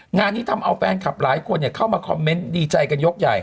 งานนี้ทำเอาแฟนคลับหลายคนเข้ามาคอมเมนต์ดีใจกันยกใหญ่